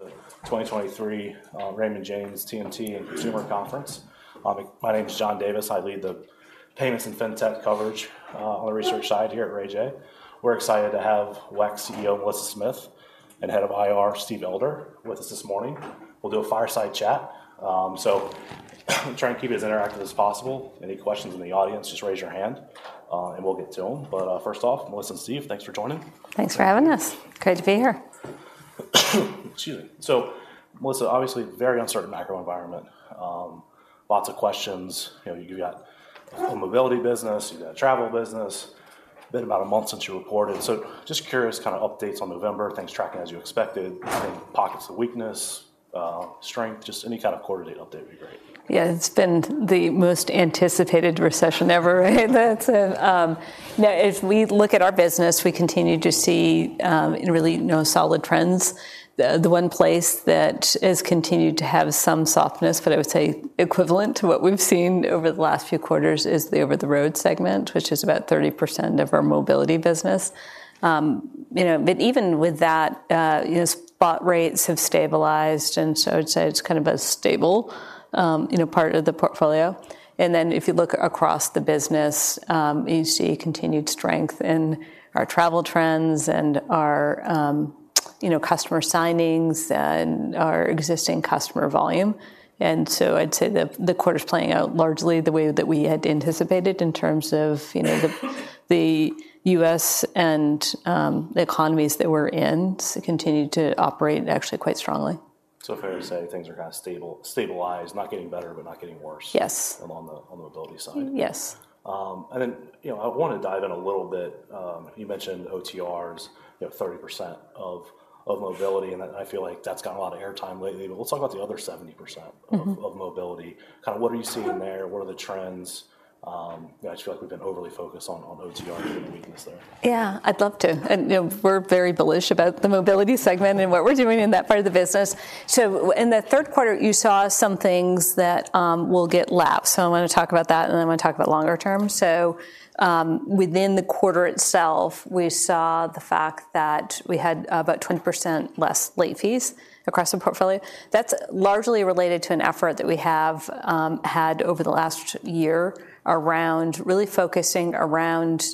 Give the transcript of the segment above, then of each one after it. The 2023 Raymond James TMT and Consumer Conference. My name is John Davis. I lead the payments and fintech coverage on the research side here at RayJay. We're excited to have WEX CEO, Melissa Smith, and Head of IR, Steve Elder, with us this morning. We'll do a fireside chat. So try and keep it as interactive as possible. Any questions in the audience, just raise your hand and we'll get to them. But first off, Melissa and Steve, thanks for joining. Thanks for having us. Good to be here. Excuse me. So, Melissa, obviously, very uncertain macro environment. Lots of questions. You know, you've got a mobility business, you've got a travel business. Been about a month since you reported. So just curious, kind of updates on November, things tracking as you expected, any pockets of weakness, strength, just any kind of quarterly update would be great. Yeah, it's been the most anticipated recession ever, right? That's, now, as we look at our business, we continue to see really, you know, solid trends. The one place that has continued to have some softness, but I would say equivalent to what we've seen over the last few quarters, is the over-the-road segment, which is about 30% of our mobility business. You know, but even with that, you know, spot rates have stabilized, and so I'd say it's kind of a stable, you know, part of the portfolio. And then if you look across the business, you see continued strength in our travel trends and our, you know, customer signings and our existing customer volume. And so I'd say the quarter's playing out largely the way that we had anticipated in terms of, you know, the U.S. and the economies that we're in continue to operate actually quite strongly. Fair to say things are kind of stabilized, not getting better, but not getting worse. Yes. On the mobility side? Yes. And then, you know, I want to dive in a little bit. You mentioned OTRs, you know, 30% of mobility, and I feel like that's got a lot of airtime lately, but let's talk about the other 70%. Mm-hmm. Of mobility. Kind of what are you seeing there? What are the trends? I just feel like we've been overly focused on OTR and the weakness there. Yeah, I'd love to. You know, we're very bullish about the mobility segment and what we're doing in that part of the business. In the third quarter, you saw some things that will get lapped. I want to talk about that, and then I want to talk about longer term. Within the quarter itself, we saw the fact that we had about 20% less late fees across the portfolio. That's largely related to an effort that we have had over the last year around really focusing around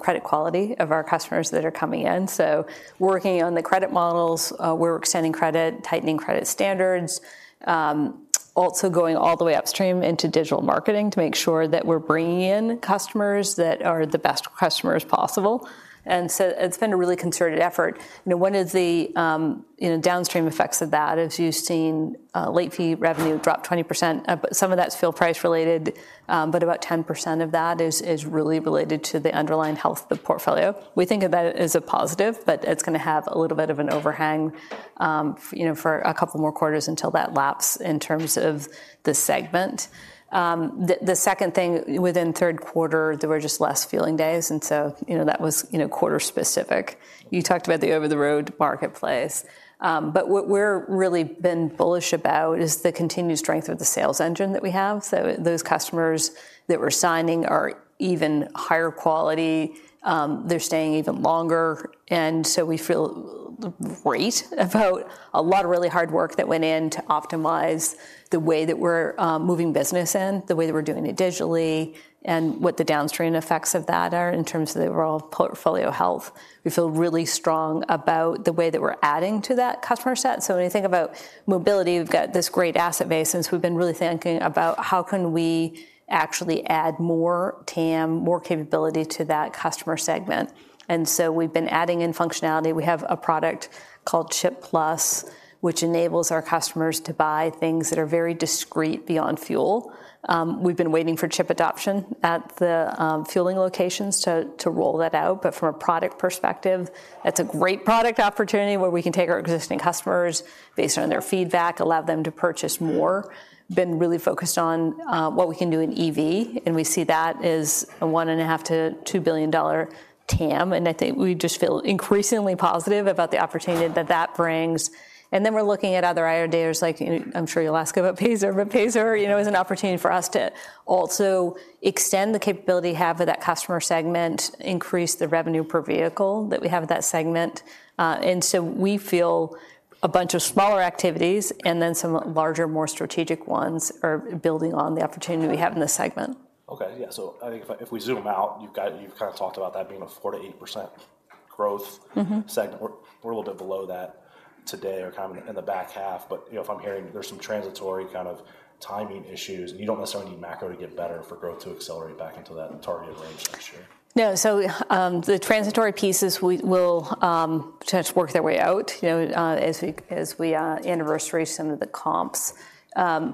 credit quality of our customers that are coming in. Working on the credit models, we're extending credit, tightening credit standards, also going all the way upstream into digital marketing to make sure that we're bringing in customers that are the best customers possible. And so it's been a really concerted effort. You know, one of the, you know, downstream effects of that is you've seen, late fee revenue drop 20%. But some of that's fuel price related, but about 10% of that is, is really related to the underlying health of the portfolio. We think about it as a positive, but it's gonna have a little bit of an overhang, you know, for a couple more quarters until that laps in terms of the segment. The second thing, within third quarter, there were just less fueling days, and so, you know, that was, you know, quarter specific. You talked about the over-the-road marketplace, but what we're really been bullish about is the continued strength of the sales engine that we have. So those customers that we're signing are even higher quality, they're staying even longer, and so we feel great about a lot of really hard work that went in to optimize the way that we're moving business in, the way that we're doing it digitally, and what the downstream effects of that are in terms of the overall portfolio health. We feel really strong about the way that we're adding to that customer set. So when you think about mobility, we've got this great asset base, and so we've been really thinking about how can we actually add more TAM, more capability to that customer segment. And so we've been adding in functionality. We have a product called [Chip Plus], which enables our customers to buy things that are very discrete beyond fuel. We've been waiting for chip adoption at the fueling locations to roll that out, but from a product perspective, that's a great product opportunity where we can take our existing customers, based on their feedback, allow them to purchase more. Been really focused on what we can do in EV, and we see that as a $1.5 billion-$2 billion TAM, and I think we just feel increasingly positive about the opportunity that that brings. And then we're looking at other ideas like, you know, I'm sure you'll ask about Payzer, but Payzer, you know, is an opportunity for us to also extend the capability we have with that customer segment, increase the revenue per vehicle that we have with that segment. We feel a bunch of smaller activities and then some larger, more strategic ones are building on the opportunity we have in this segment. Okay. Yeah, so I think if we zoom out, you've got—you've kind of talked about that being a 4%-8% growth. Mm-hmm. Segment. We're a little bit below that today or kind of in the back half. But, you know, if I'm hearing there's some transitory kind of timing issues, and you don't necessarily need macro to get better for growth to accelerate back into that target range next year. No, so, the transitory pieces we will tend to work their way out, you know, as we anniversary some of the comps.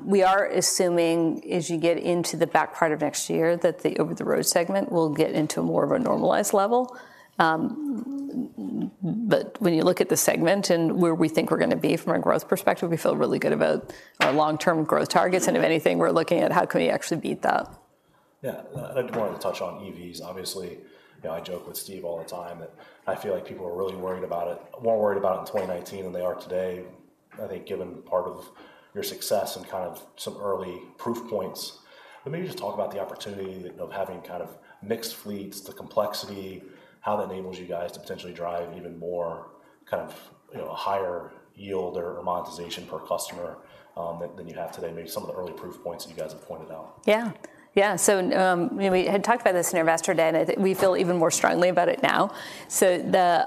We are assuming, as you get into the back part of next year, that the over-the-road segment will get into more of a normalized level. But when you look at the segment and where we think we're gonna be from a growth perspective, we feel really good about our long-term growth targets, and if anything, we're looking at how can we actually beat that? Yeah, I'd wanted to touch on EVs. Obviously, you know, I joke with Steve all the time that I feel like people are really worried about it. More worried about it in 2019 than they are today. I think given part of your success and kind of some early proof points, but maybe just talk about the opportunity of having kind of mixed fleets, the complexity, how that enables you guys to potentially drive even more kind of, you know, a higher yield or monetization per customer, than you have today. Maybe some of the early proof points that you guys have pointed out. Yeah. Yeah. So, we had talked about this in our Investor Day, and I think we feel even more strongly about it now. So the,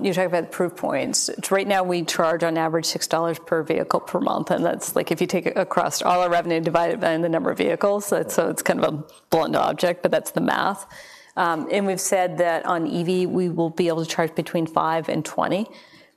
you're talking about the proof points. Right now, we charge on average $6 per vehicle per month, and that's like if you take it across all our revenue and divide it by the number of vehicles. So, so it's kind of a blunt object, but that's the math. And we've said that on EV, we will be able to charge between $5 and $20.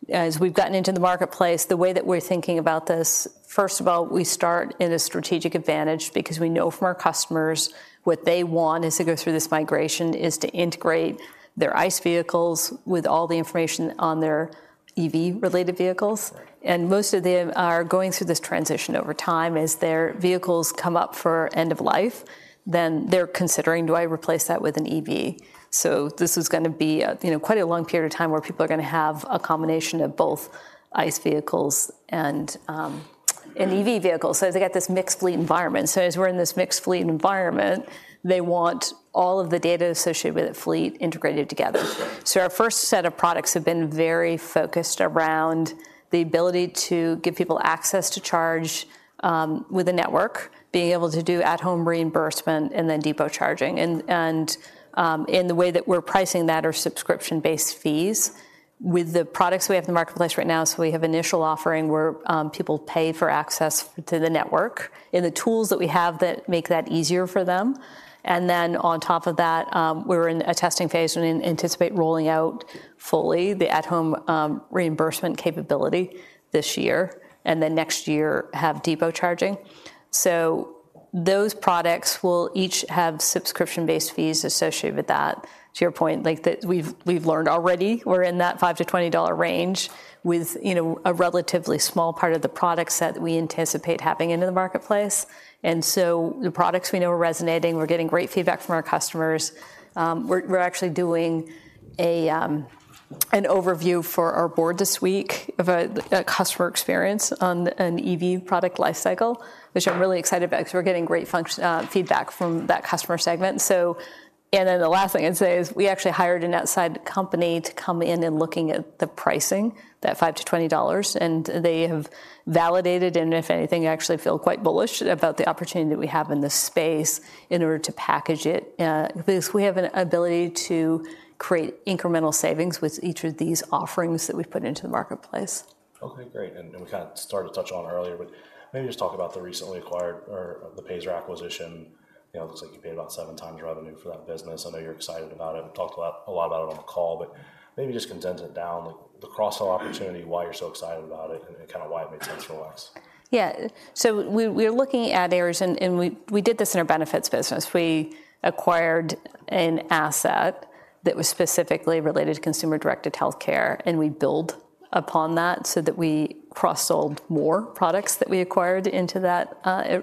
As we've gotten into the marketplace, the way that we're thinking about this, first of all, we start in a strategic advantage because we know from our customers what they want as they go through this migration, is to integrate their ICE vehicles with all the information on their EV-related vehicles. Most of them are going through this transition over time. As their vehicles come up for end of life, then they're considering: Do I replace that with an EV? This is gonna be a, you know, quite a long period of time where people are gonna have a combination of both ICE vehicles and, and EV vehicles. They got this mixed fleet environment. As we're in this mixed fleet environment, they want all of the data associated with that fleet integrated together. Sure. So our first set of products have been very focused around the ability to give people access to charge with a network, being able to do at-home reimbursement and then depot charging. And the way that we're pricing that are subscription-based fees. With the products we have in the marketplace right now, so we have initial offering where people pay for access to the network and the tools that we have that make that easier for them. And then on top of that, we're in a testing phase and anticipate rolling out fully the at-home reimbursement capability this year, and then next year have depot charging. So those products will each have subscription-based fees associated with that. To your point, like, we've learned already we're in that $5-$20 range with, you know, a relatively small part of the product set that we anticipate having into the marketplace. And so the products we know are resonating. We're getting great feedback from our customers. We're actually doing an overview for our board this week of a customer experience on an EV product life cycle, which I'm really excited about because we're getting great feedback from that customer segment. And then the last thing I'd say is we actually hired an outside company to come in, and looking at the pricing, that $5-$20, and they have validated it, and if anything, actually feel quite bullish about the opportunity that we have in this space in order to package it. Because we have an ability to create incremental savings with each of these offerings that we've put into the marketplace. Okay, great. And we kind of started to touch on it earlier, but maybe just talk about the recently acquired or the Payzer acquisition. You know, it looks like you paid about 7x revenue for that business. I know you're excited about it and talked about it, a lot about it on the call, but maybe just condense it down, like the cross-sell opportunity, why you're so excited about it, and kind of why it makes sense for us. Yeah. So we're looking at areas, and we did this in our benefits business. We acquired an asset that was specifically related to consumer-directed healthcare, and we build upon that so that we cross-sold more products that we acquired into that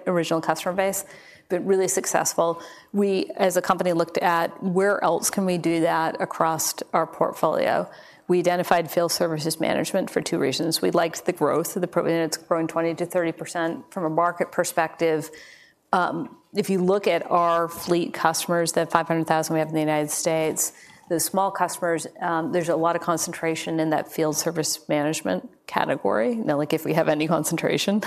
original customer base, but really successful. We, as a company, looked at where else can we do that across our portfolio? We identified field services management for two reasons. We liked the growth of the program, and it's growing 20%-30% from a market perspective. If you look at our fleet customers, the 500,000 we have in the United States, the small customers, there's a lot of concentration in that field service management category. Now, like, if we have any concentration.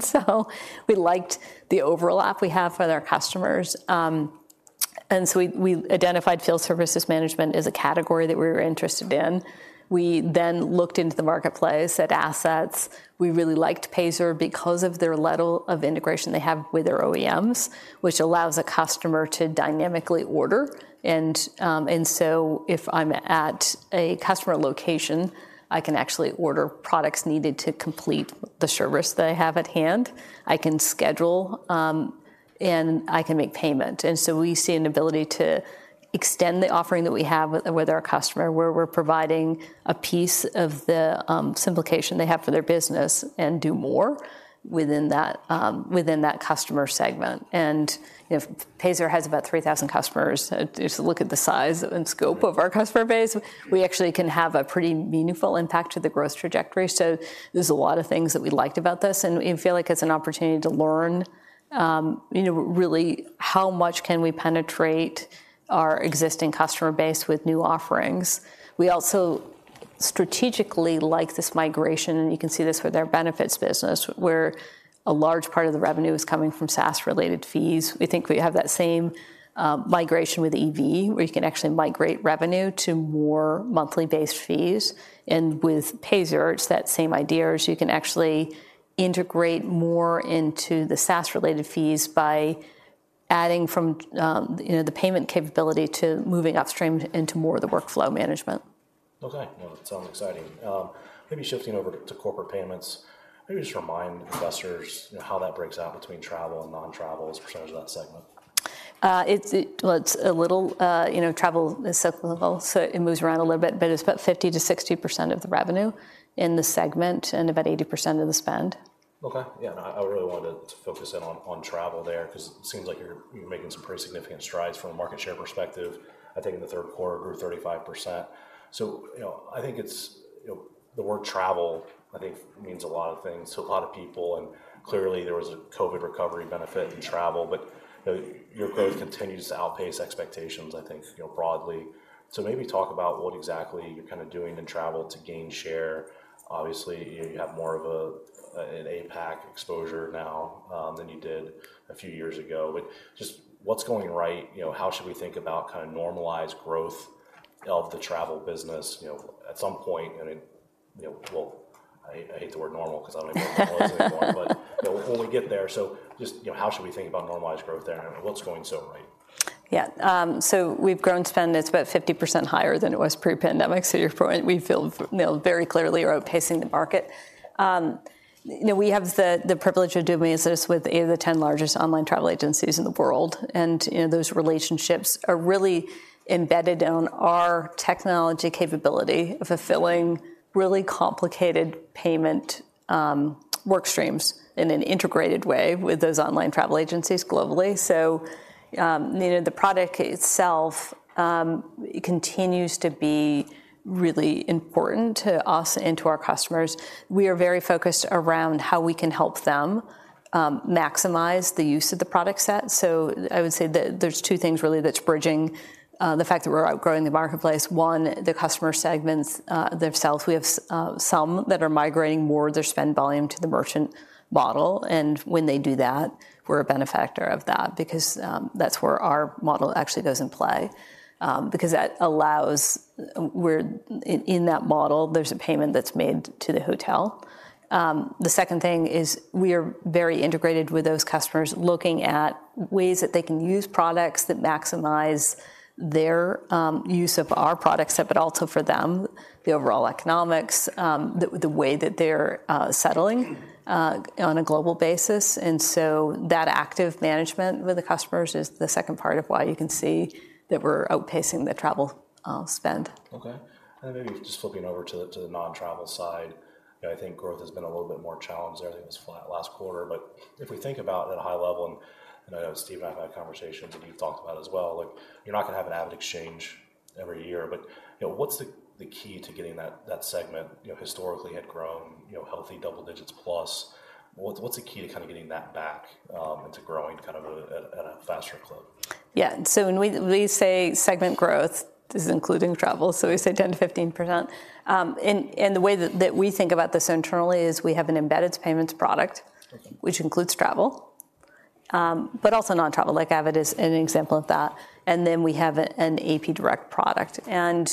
So we liked the overlap we have with our customers. And so we identified field service management as a category that we were interested in. We then looked into the marketplace at assets. We really liked Payzer because of their level of integration they have with their OEMs, which allows a customer to dynamically order. And so if I'm at a customer location, I can actually order products needed to complete the service that I have at hand. I can schedule, and I can make payment. And so we see an ability to extend the offering that we have with our customer, where we're providing a piece of the simplification they have for their business and do more within that customer segment. And, you know, Payzer has about 3,000 customers. So just look at the size and scope of our customer base. We actually can have a pretty meaningful impact to the growth trajectory. So there's a lot of things that we liked about this and feel like it's an opportunity to learn, you know, really, how much can we penetrate our existing customer base with new offerings? We also strategically like this migration, and you can see this with our benefits business, where a large part of the revenue is coming from SaaS-related fees. We think we have that same migration with EV, where you can actually migrate revenue to more monthly-based fees. And with Payzer, it's that same idea, is you can actually integrate more into the SaaS-related fees by adding from, you know, the payment capability to moving upstream into more of the workflow management. Okay. No, it sounds exciting. Maybe shifting over to corporate payments, maybe just remind investors, you know, how that breaks out between travel and non-travel as a percentage of that segment. Well, it's a little, you know, travel is cyclical, so it moves around a little bit, but it's about 50%-60% of the revenue in the segment and about 80% of the spend. Okay. Yeah, and I really wanted to focus in on travel there, 'cause it seems like you're making some pretty significant strides from a market share perspective. I think in the third quarter, over 35%. So, you know, I think it's, you know, the word travel, I think, means a lot of things to a lot of people, and clearly, there was a COVID recovery benefit in travel. But, you know, your growth continues to outpace expectations, I think, you know, broadly. So maybe talk about what exactly you're kind of doing in travel to gain share. Obviously, you have more of an APAC exposure now than you did a few years ago, but just what's going right? You know, how should we think about kind of normalized growth of the travel business? You know, at some point, you know, well, I hate the word normal because I don't even know what normal is anymore. But, you know, when we get there, so just, you know, how should we think about normalized growth there, and what's going so right? Yeah. So we've grown spend that's about 50% higher than it was pre-pandemic. So to your point, we feel, you know, very clearly are outpacing the market. You know, we have the privilege of doing business with eight of the ten largest online travel agencies in the world, and, you know, those relationships are really embedded in our technology capability of fulfilling really complicated payment work streams in an integrated way with those online travel agencies globally. So, you know, the product itself continues to be really important to us and to our customers. We are very focused around how we can help them maximize the use of the product set. So I would say that there's two things really that's bridging the fact that we're outgrowing the marketplace. One, the customer segments themselves. We have some that are migrating more of their spend volume to the merchant model, and when they do that, we're a benefactor of that because that's where our model actually goes in play. Because that allows, where in that model, there's a payment that's made to the hotel. The second thing is we are very integrated with those customers, looking at ways that they can use products that maximize their use of our product set, but also for them, the overall economics, the way that they're settling on a global basis. And so that active management with the customers is the second part of why you can see that we're outpacing the travel spend. Okay. And then maybe just flipping over to the, to the non-travel side, you know, I think growth has been a little bit more challenged there. I think it was flat last quarter. But if we think about it at a high level, and, and I know Steve and I have had conversations, and you've talked about it as well, like, you're not gonna have an AvidXchange every year. But, you know, what's the, the key to getting that, that segment, you know, historically had grown, you know, healthy double digits plus? What's, what's the key to kind of getting that back into growing kind of at, at, at a faster clip? Yeah. So when we say segment growth, this is including travel, so we say 10%-15%. And the way that we think about this internally is we have an embedded payments product. Mm-hmm. Which includes travel, but also non-travel, like Avid is an example of that, and then we have an AP Direct product. And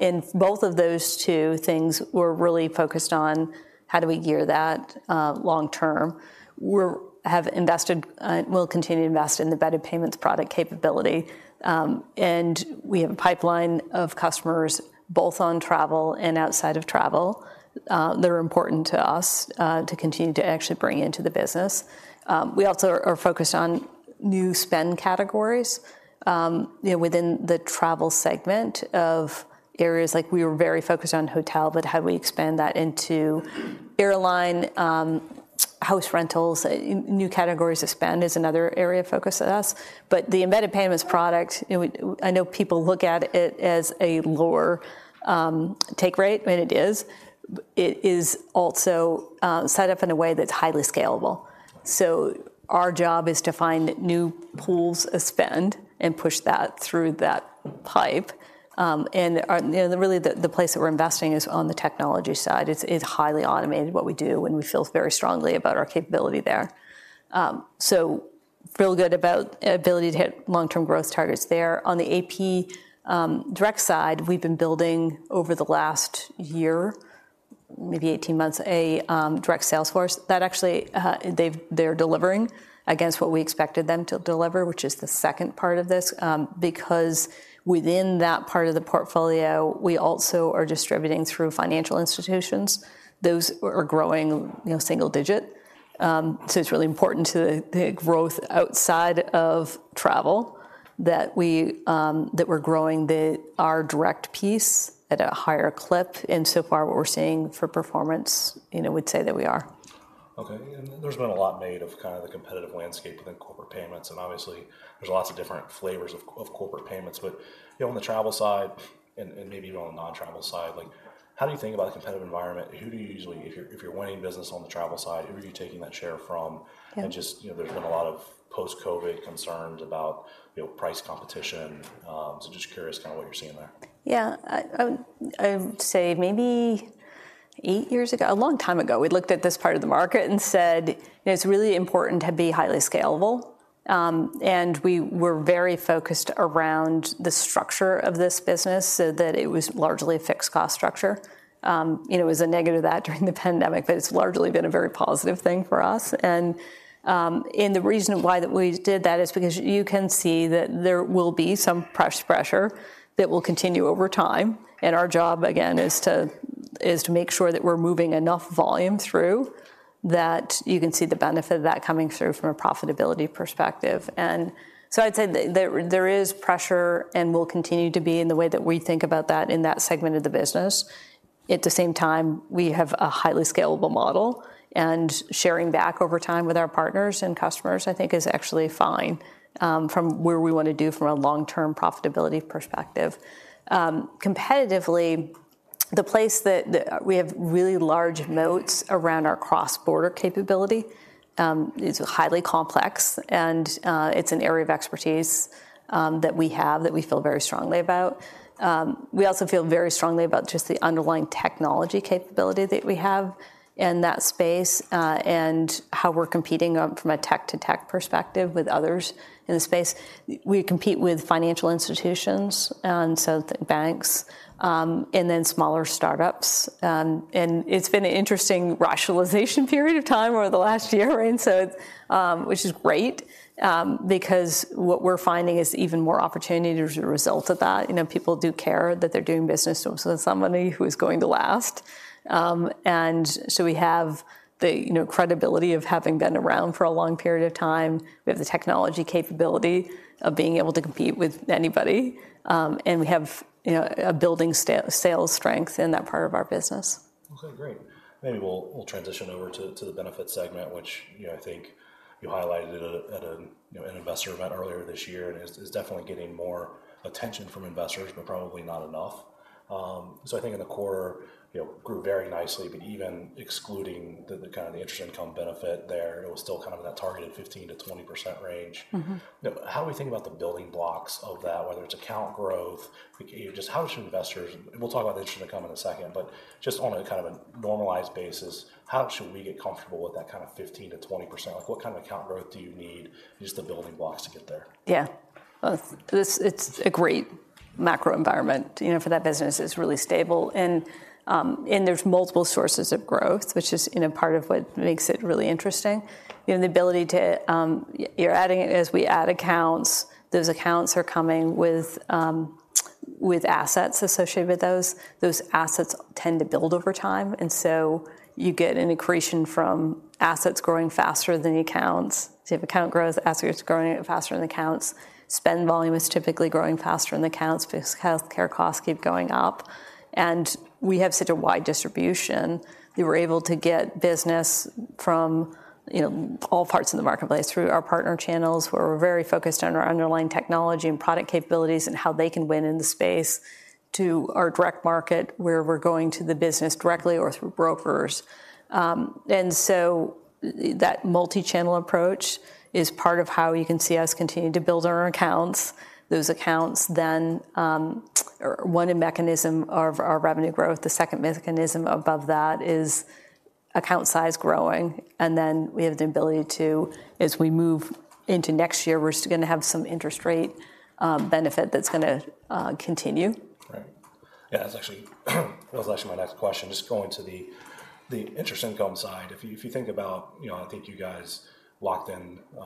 in both of those two things, we're really focused on how do we gear that long term. We have invested and will continue to invest in the embedded payments product capability. And we have a pipeline of customers, both on travel and outside of travel, that are important to us to continue to actually bring into the business. We also are focused on new spend categories, you know, within the travel segment of areas like we were very focused on hotel, but how do we expand that into airline, house rentals? New categories of spend is another area of focus of us. But the embedded payments product, you know, I know people look at it as a lower take rate, and it is. It is also set up in a way that's highly scalable. So our job is to find new pools of spend and push that through that pipe. And, you know, the place that we're investing is on the technology side. It's highly automated, what we do, and we feel very strongly about our capability there. So feel good about ability to hit long-term growth targets there. On the AP Direct side, we've been building over the last year, maybe 18 months, a direct sales force that actually they're delivering against what we expected them to deliver, which is the second part of this. Because within that part of the portfolio, we also are distributing through financial institutions. Those are growing, you know, single digit. So it's really important to the growth outside of travel that we're growing our direct piece at a higher clip. And so far, what we're seeing for performance, you know, we'd say that we are. Okay. There's been a lot made of kind of the competitive landscape within corporate payments, and obviously, there's lots of different flavors of corporate payments. But, you know, on the travel side, and maybe on the non-travel side, like, how do you think about the competitive environment? Who do you usually, if you're winning business on the travel side, who are you taking that share from? Yeah. Just, you know, there's been a lot of post-COVID concerns about, you know, price competition. So just curious kind of what you're seeing there. Yeah. I would say maybe eight years ago, a long time ago, we looked at this part of the market and said, "It's really important to be highly scalable." And we were very focused around the structure of this business so that it was largely a fixed cost structure. You know, it was a negative of that during the pandemic, but it's largely been a very positive thing for us. And the reason why that we did that is because you can see that there will be some pressure that will continue over time, and our job, again, is to make sure that we're moving enough volume through that you can see the benefit of that coming through from a profitability perspective. And so I'd say that there is pressure and will continue to be in the way that we think about that in that segment of the business. At the same time, we have a highly scalable model, and sharing back over time with our partners and customers, I think, is actually fine from where we want to do from a long-term profitability perspective. Competitively, the place that we have really large moats around our cross-border capability is highly complex, and it's an area of expertise that we have that we feel very strongly about. We also feel very strongly about just the underlying technology capability that we have in that space, and how we're competing from a tech-to-tech perspective with others in the space. We compete with financial institutions, and so the banks, and then smaller startups. It's been an interesting rationalization period of time over the last year, and so, which is great, because what we're finding is even more opportunity as a result of that. You know, people do care that they're doing business with somebody who is going to last. And so we have the, you know, credibility of having been around for a long period of time. We have the technology capability of being able to compete with anybody, and we have, you know, a building sales strength in that part of our business. Okay, great. Maybe we'll transition over to the benefit segment, which, you know, I think you highlighted it at an investor event earlier this year, and it's definitely getting more attention from investors, but probably not enough. So I think in the core, you know, grew very nicely, but even excluding the kind of the interest income benefit there, it was still kind of in that targeted 15%-20% range. Mm-hmm. How do we think about the building blocks of that, whether it's account growth, or just how should investors, we'll talk about the interest income in a second, but just on a kind of a normalized basis, how should we get comfortable with that kind of 15%-20%? Like, what kind of account growth do you need, just the building blocks to get there? Yeah. Well, this, it's a great macro environment. You know, for that business, it's really stable, and there's multiple sources of growth, which is, you know, part of what makes it really interesting. You know, the ability to, you're adding it as we add accounts. Those accounts are coming with assets associated with those. Those assets tend to build over time, and so you get an accretion from assets growing faster than the accounts. So if account grows, assets are growing faster than the accounts. Spend volume is typically growing faster than the accounts because healthcare costs keep going up, and we have such a wide distribution. We were able to get business from, you know, all parts of the marketplace through our partner channels, where we're very focused on our underlying technology and product capabilities and how they can win in the space, to our direct market, where we're going to the business directly or through brokers. And so that multi-channel approach is part of how you can see us continue to build our accounts. Those accounts then are one mechanism of our revenue growth. The second mechanism above that is account size growing, and then we have the ability to, as we move into next year, we're still gonna have some interest rate benefit that's gonna continue. Right. Yeah, that's actually, that was actually my next question. Just going to the interest income side. If you, if you think about, you know, I think you guys locked in, you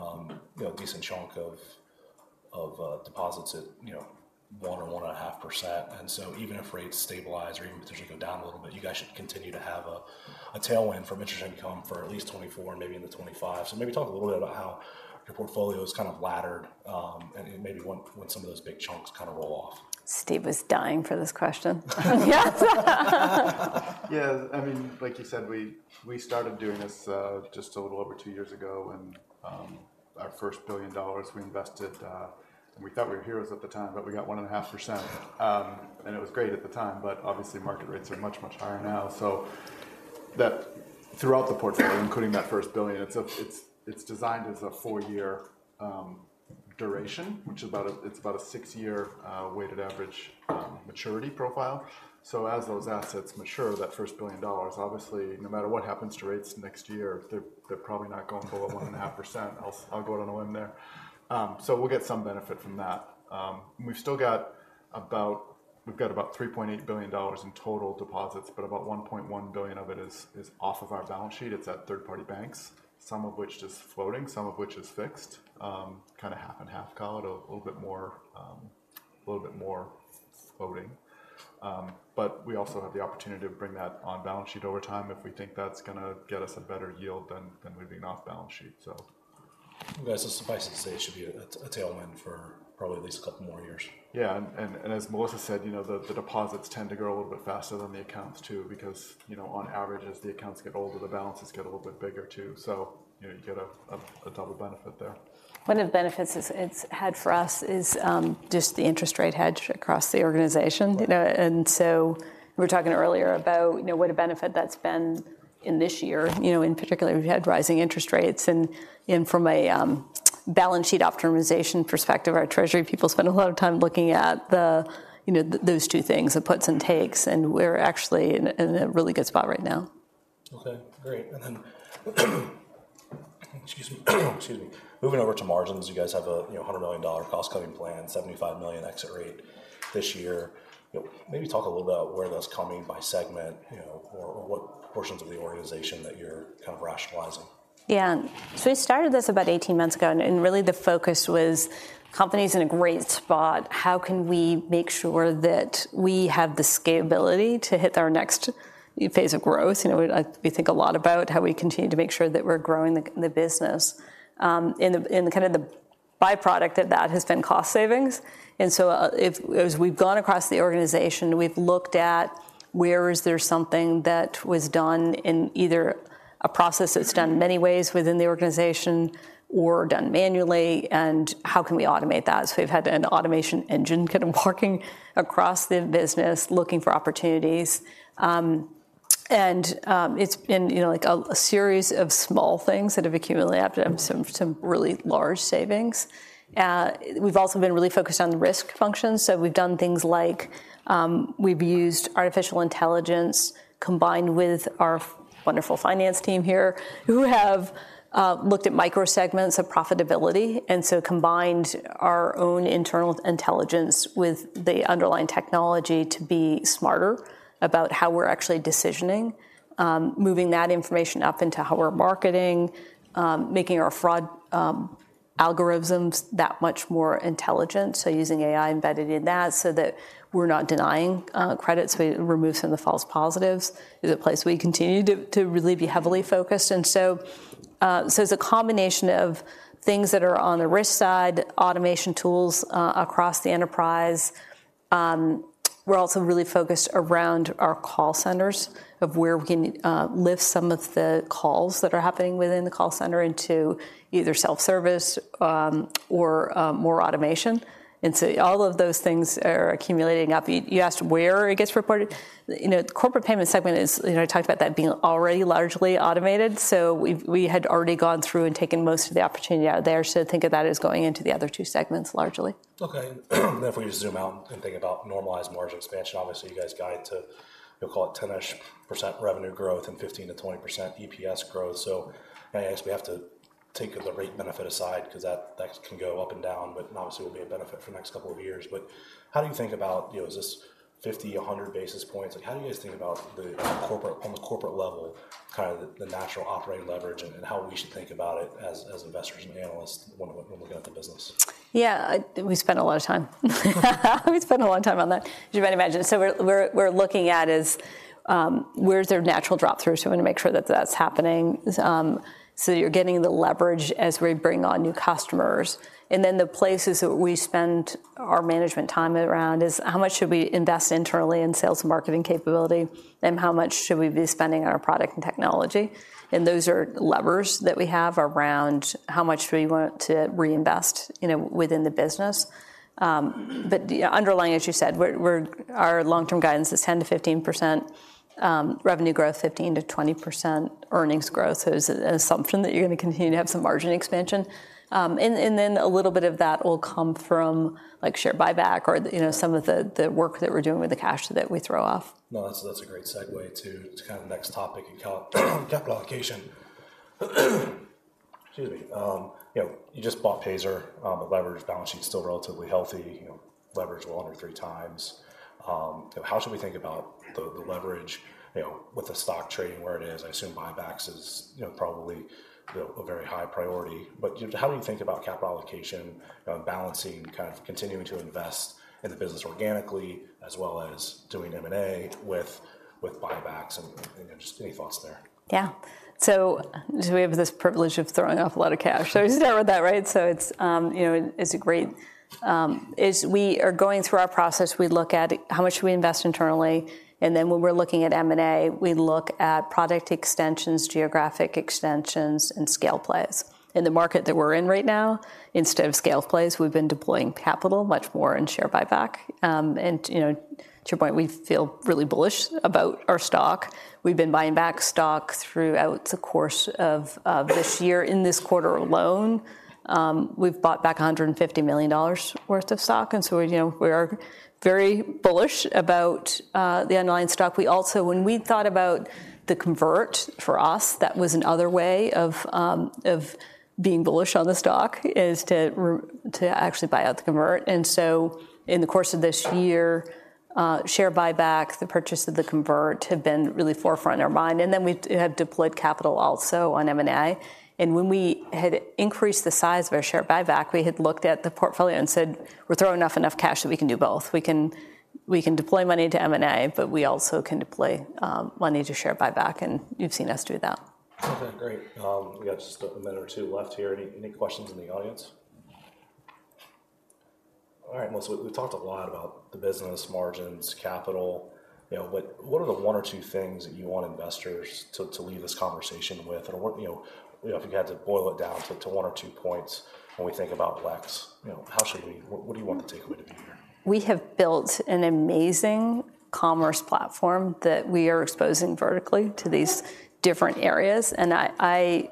know, a decent chunk of deposits at, you know, 1% or 1.5%, and so even if rates stabilize or even potentially go down a little bit, you guys should continue to have a tailwind from interest income for at least 2024 and maybe into 2025. So maybe talk a little bit about how your portfolio is kind of laddered, and maybe when some of those big chunks kind of roll off. Steve was dying for this question. Yes. Yeah, I mean, like you said, we started doing this just a little over two years ago, and our first $1 billion we invested, and we thought we were heroes at the time, but we got 1.5%. And it was great at the time, but obviously, market rates are much, much higher now. So that throughout the portfolio, including that first $1 billion, it's designed as a four-year duration, which is about a, it's about a six-year weighted average maturity profile. So as those assets mature, that first $1 billion, obviously, no matter what happens to rates next year, they're probably not going below 1.5%. I'll go out on a limb there. So we'll get some benefit from that. We've still got about $3.8 billion in total deposits, but about $1.1 billion of it is off of our balance sheet. It's at third-party banks, some of which is floating, some of which is fixed, kind of half and half call it, a little bit more, a little bit more floating. But we also have the opportunity to bring that on balance sheet over time if we think that's gonna get us a better yield than leaving it off balance sheet, so. Well, guys, suffice it to say, it should be a tailwind for probably at least a couple more years. Yeah, as Melissa said, you know, the deposits tend to grow a little bit faster than the accounts, too, because, you know, on average, as the accounts get older, the balances get a little bit bigger, too, so, you know, you get a double benefit there. One of the benefits it's had for us is just the interest rate hedge across the organization. Right. You know, and so we were talking earlier about, you know, what a benefit that's been in this year. You know, in particular, we've had rising interest rates, and from a balance sheet optimization perspective, our treasury people spend a lot of time looking at the, you know, those two things, the puts and takes, and we're actually in a really good spot right now. Okay, great. And then, excuse me. Excuse me. Moving over to margins, you guys have a, you know, $100 million cost-cutting plan, $75 million exit rate this year. You know, maybe talk a little about where that's coming by segment, you know, or what portions of the organization that you're kind of rationalizing. Yeah. So we started this about 18 months ago, and really the focus was company's in a great spot, how can we make sure that we have the scalability to hit our next phase of growth? You know, we think a lot about how we continue to make sure that we're growing the business. In the byproduct of that has been cost savings. And so, as we've gone across the organization, we've looked at where is there something that was done in either a process that's done in many ways within the organization or done manually, and how can we automate that? So we've had an automation engine kind of working across the business, looking for opportunities. It's been, you know, like a series of small things that have accumulated up to some really large savings. We've also been really focused on the risk function. So we've done things like, we've used artificial intelligence, combined with our wonderful finance team here, who have looked at microsegments of profitability, and so combined our own internal intelligence with the underlying technology to be smarter about how we're actually decisioning. Moving that information up into how we're marketing, making our fraud algorithms that much more intelligent, so using AI embedded in that so that we're not denying credit, so we remove some of the false positives. It's a place we continue to really be heavily focused. And so, so it's a combination of things that are on the risk side, automation tools across the enterprise. We're also really focused around our call centers, of where we can lift some of the calls that are happening within the call center into either self-service, or more automation. And so all of those things are accumulating up. You asked where it gets reported. You know, the corporate payment segment is, you know, I talked about that being already largely automated, so we had already gone through and taken most of the opportunity out of there. So think of that as going into the other two segments, largely. Okay. And then if we just zoom out and think about normalized margin expansion, obviously, you guys guide to, we'll call it 10-ish% revenue growth and 15%-20% EPS growth. So I guess we have to take the rate benefit aside, 'cause that, that can go up and down, but obviously, will be a benefit for the next couple of years. But how do you think about, you know, is this 50, 100 basis points? Like, how do you guys think about the corporate, on the corporate level, kind of the, the natural operating leverage and, and how we should think about it as, as investors and analysts when we're, we're looking at the business? Yeah, we spend a lot of time. We spend a lot of time on that, as you might imagine. So we're looking at is where is there natural drop through? So we want to make sure that that's happening, so you're getting the leverage as we bring on new customers. And then the places that we spend our management time around is, how much should we invest internally in sales and marketing capability, and how much should we be spending on our product and technology? And those are levers that we have around how much we want to reinvest, you know, within the business. But yeah, underlying, as you said, we're our long-term guidance is 10%-15% revenue growth, 15%-20% earnings growth. So it's an assumption that you're going to continue to have some margin expansion. And then a little bit of that will come from, like, share buyback or, you know. Yeah. Some of the work that we're doing with the cash that we throw off. No, that's a great segue to the next topic in capital allocation. Excuse me. You know, you just bought Payzer. The leverage balance sheet is still relatively healthy, you know, leverage 1x or 3x. How should we think about the leverage, you know, with the stock trading where it is? I assume buybacks is, you know, probably a very high priority. But how do you think about capital allocation, balancing kind of continuing to invest in the business organically, as well as doing M&A with buybacks and, you know, just any thoughts there? Yeah. So we have this privilege of throwing off a lot of cash. So start with that, right? So it's, you know, it's a great. As we are going through our process, we look at how much should we invest internally, and then when we're looking at M&A, we look at product extensions, geographic extensions, and scale plays. In the market that we're in right now, instead of scale plays, we've been deploying capital much more in share buyback. And, you know, to your point, we feel really bullish about our stock. We've been buying back stock throughout the course of, of this year. In this quarter alone, we've bought back $150 million worth of stock, and so, you know, we are very bullish about, the underlying stock. We also, when we thought about the convert, for us, that was another way of being bullish on the stock, is to actually buy out the convert. And so in the course of this year, share buyback, the purchase of the convert, have been really forefront in our mind. And then we have deployed capital also on M&A. And when we had increased the size of our share buyback, we had looked at the portfolio and said, "We're throwing off enough cash that we can do both." We can, we can deploy money to M&A, but we also can deploy, money to share buyback, and you've seen us do that. Okay, great. We've got just a minute or two left here. Any questions in the audience? All right. Well, so we've talked a lot about the business margins, capital, you know, but what are the one or two things that you want investors to leave this conversation with? And what, you know, if you had to boil it down to one or two points when we think about WEX, you know, how should we, what do you want the takeaway to be here? We have built an amazing commerce platform that we are exposing vertically to these different areas, and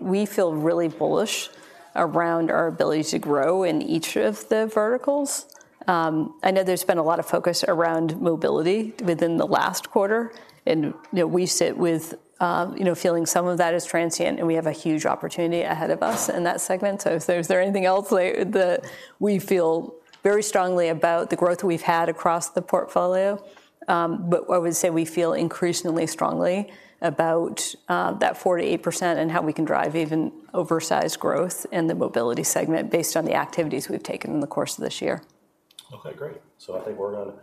we feel really bullish around our ability to grow in each of the verticals. I know there's been a lot of focus around mobility within the last quarter, and, you know, we sit with, you know, feeling some of that is transient, and we have a huge opportunity ahead of us in that segment. So if there's anything else that we feel very strongly about the growth we've had across the portfolio. But I would say we feel increasingly strongly about that 4%-8% and how we can drive even oversized growth in the mobility segment based on the activities we've taken in the course of this year. Okay, great. So I think we're gonna.